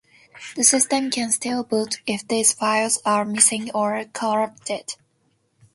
The system can still boot if these files are missing or corrupted.